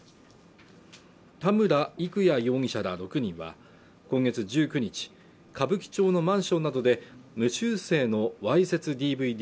田村郁哉容疑者ら６人は今月１９日歌舞伎町のマンションなどで無修正のわいせつＤＶＤ